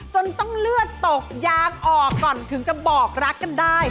จนต้องเลือดตกยางออกก่อนถึงจะบอกรักกันได้